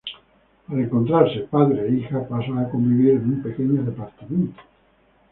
Al encontrarse, padre e hija, pasan a convivir en un pequeño departamento.